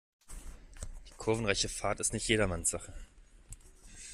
Die kurvenreiche Fahrt ist nicht jedermanns Sache.